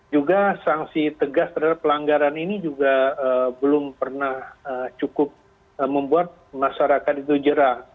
juga sanksi tegas terhadap pelanggaran ini juga belum pernah cukup membuat masyarakat itu jerah